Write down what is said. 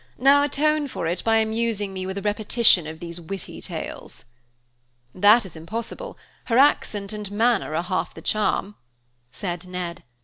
Now atone for it by amusing me with a repetition of these witty tales." "That is impossible; her accent and manner are half the charm," said Ned.